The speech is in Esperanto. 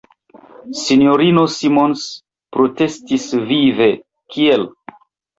S-ino Simons protestis vive: "Kiel!"